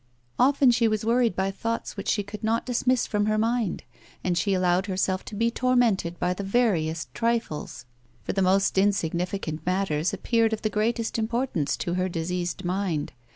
Often she was worried by thoughts which she could not dismiss from her mind, and she allowed herself to be tor mented by the veriest trifles, for the most insignificant matters appeared of the greatest importance to her diseased mind.